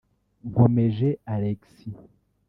Nkomeje Alexis